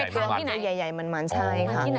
ไปทานที่ไหน